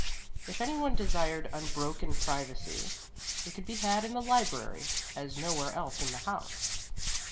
If any one desired unbroken privacy, it could be had in the library as nowhere else in the house.